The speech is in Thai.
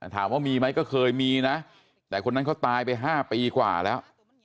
ถามว่ามีไหมก็เคยมีนะแต่คนนั้นเขาตายไป๕ปีกว่าแล้ว